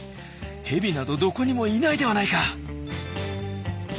蛇などどこにもいないではないか！」。